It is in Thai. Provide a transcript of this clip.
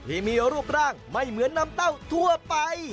ที่มีรูปร่างไม่เหมือนน้ำเต้าทั่วไป